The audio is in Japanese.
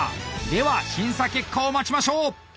では審査結果を待ちましょう。